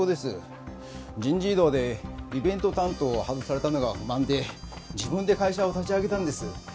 人事異動でイベント担当を外されたのが不満で自分で会社を立ち上げたんです。